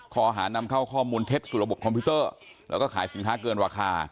ข้อหานำเข้าข้อมูลเท็จสู่ระบบคอมพิวเตอร์แล้วก็ขายสินค้าเกินราคา